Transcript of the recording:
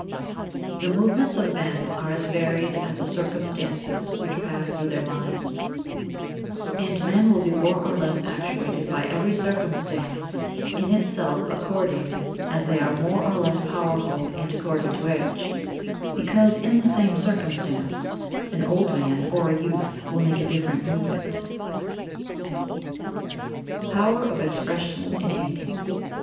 79. The movements of men are as varied as the circumstances which pass through their minds; and men will be more or less actuated by every circumstance in itself according as they are more or less powerful and according to age; because in the same circumstance an old man or a youth will make a different movement. [Sidenote: Power of Expression in Painting] 80.